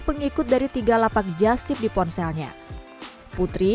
pengikut dari tiga lapak jastip di ponselnya putri bersemangat mencari jastip di ponselnya putri